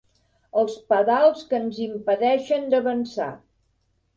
Els pedals que ens impedeixen d'avançar.